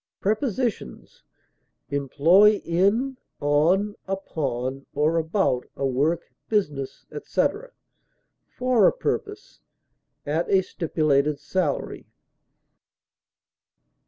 Prepositions: Employ in, on, upon, or about a work, business, etc.; for a purpose; at a stipulated salary.